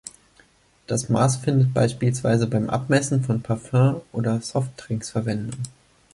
Das Maß findet beispielsweise beim Abmessen von Parfüm oder Softdrinks Verwendung.